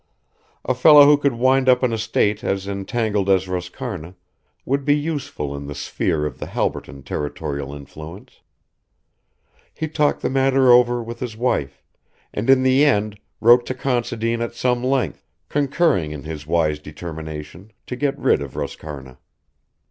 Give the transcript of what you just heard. A fellow who could wind up an estate as entangled as Roscarna would be useful in the sphere of the Halberton territorial influence. He talked the matter over with his wife, and in the end wrote to Considine at some length, concurring in his wise determination to get rid of Roscarna.